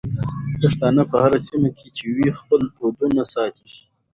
پښتانه په هره سيمه کې چې وي خپل دودونه ساتي.